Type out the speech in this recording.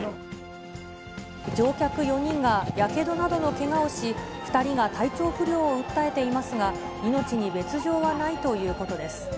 乗客４人がやけどなどのけがをし、２人が体調不良を訴えていますが、命に別状はないということです。